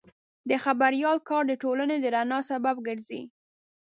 د خبریال کار د ټولنې د رڼا سبب ګرځي.